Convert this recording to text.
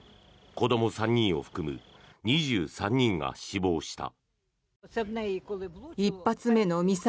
子ども３人を含む２３人が死亡した。